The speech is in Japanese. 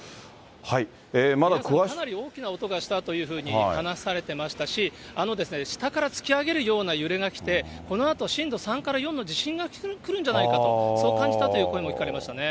皆さん、かなり大きな音がしたというふうに話されてましたし、下から突き上げるような揺れが来て、このあと震度３から４の地震が来るんじゃないかと、そう感じたという声も聞かれましたね。